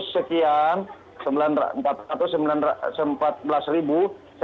empat ratus sekian atau empat belas sembilan ratus dua puluh empat